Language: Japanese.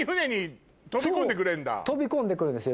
飛び込んでくるんですよ